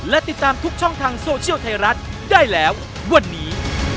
และติดตามทุกช่องทางโซเชียลไทยรัฐได้แล้ววันนี้